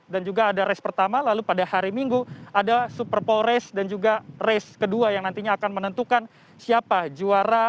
dan juga ada race pertama lalu pada hari minggu ada superpole race dan juga race kedua yang nantinya akan menentukan siapa juara